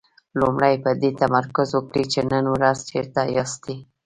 لومړی په دې تمرکز وکړئ چې نن ورځ چېرته ياستئ.